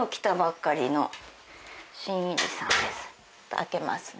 開けますね。